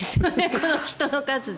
この人の数で。